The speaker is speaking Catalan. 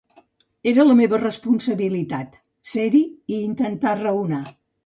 Era la meva responsabilitat, ser-hi, i intentar raonar.